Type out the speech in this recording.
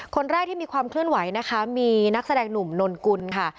คนแรกที่มีความเคลื่อนไหวนะคะมีนักแสดงหนุ่มนนกุลค่ะ